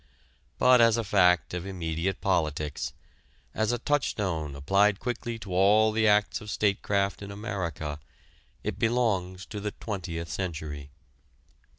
But as a fact of immediate politics, as a touchstone applied quickly to all the acts of statecraft in America it belongs to the Twentieth Century.